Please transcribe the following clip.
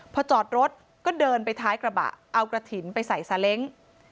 พอจอดรถก็เดินไปท้ายกระบะเอากระถิ่นไปใส่ซาเล้ง